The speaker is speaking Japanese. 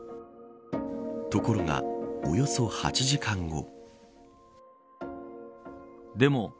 ところがおよそ８時間後。